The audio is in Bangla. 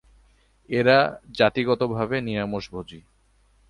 এরা জাতিগতভাবে নিরামীষভোজী।